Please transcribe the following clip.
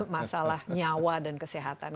masalah nyawa dan kesehatan